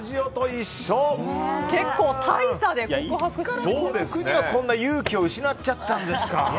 いつからこの国はこんなに勇気を失っちゃったんですか。